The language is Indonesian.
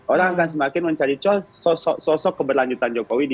orang akan semakin mencari sosok keberlanjutan jokowi di dua ribu dua puluh empat